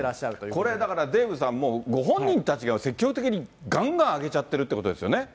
これ、だから、デーブさん、ご本人たちが積極的にがんがん上げちゃってるということですよね。